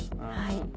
はい。